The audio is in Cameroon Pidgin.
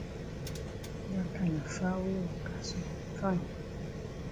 Dat kana far way waka so fine.